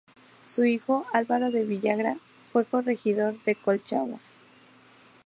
Su hijo Álvaro de Villagra fue corregidor de Colchagua.